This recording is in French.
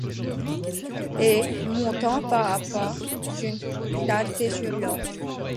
Et, montant pas à pas d'une clarté sur l'autre